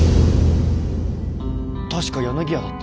確か柳屋だったよ。